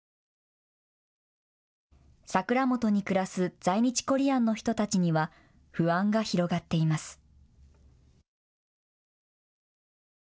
桜本に暮らす在日コリアンの人たちには不安が広がっています。